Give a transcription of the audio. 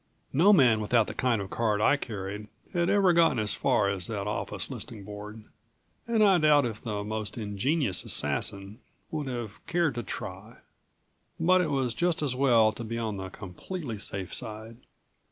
No man without the kind of card I carried had ever gotten as far as that office listing board and I doubt if the most ingenious assassin would have cared to try. But it was just as well to be on the completely safe side.